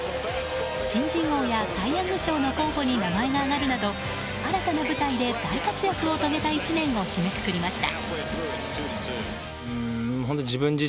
新人王やサイ・ヤング賞の候補に名前が挙がるなど新たな舞台で大活躍を遂げた１年を締めくくりました。